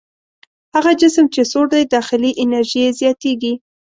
هغه جسم چې سوړ دی داخلي انرژي یې زیاتیږي.